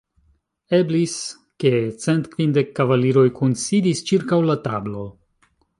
Eblis ke cent kvindek kavaliroj kunsidis ĉirkaŭ la tablo.